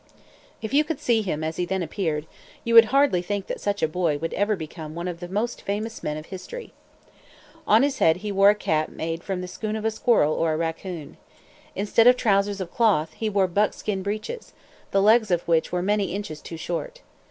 If you could see him as he then appeared, you would hardly think that such a boy would ever become one of the most famous men of history. On his head he wore a cap made from the skin of a squirrel or a raccoon. Instead of trousers of cloth, he wore buckskin breeches, the legs of which were many inches too short.